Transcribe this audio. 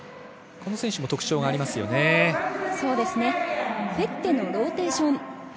この選手もフェッテのローテーション。